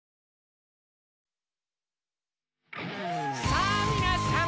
さぁみなさん！